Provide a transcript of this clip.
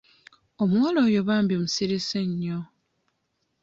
Omuwala oyo bambi musirise nnyo.